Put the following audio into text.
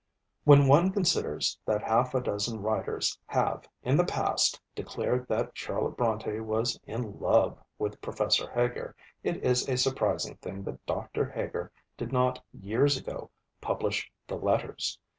When one considers that half a dozen writers have, in the past, declared that Charlotte Brontë was in love with Professor Heger, it is a surprising thing that Dr. Heger did not years ago publish the letters.